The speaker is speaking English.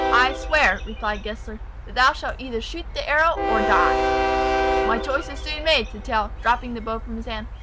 "I swear," replied Gessler, "that thou shalt either shoot the arrow, or die!" "My choice is soon made," said Tell, dropping the bow from his hand.